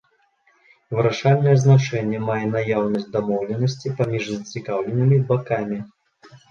Вырашальнае значэнне мае наяўнасць дамоўленасці паміж зацікаўленымі бакамі.